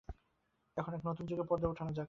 এখন, এক নতুন যুগের পর্দা উঠানো যাক।